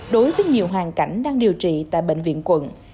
đối với nhiều hoàn cảnh đang điều trị tại bệnh viện quận